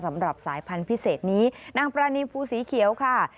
สำหรับสายพันธุ์พิเศษนี้นางปรานีภูสีเขียวค่ะ